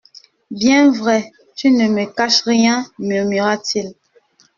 Bien vrai ? tu ne me caches rien ? murmura-t-il.